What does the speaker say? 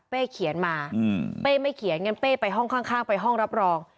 เขียนมาเป้ไม่เขียนงั้นเป้ไปห้องข้างไปห้องรับรอง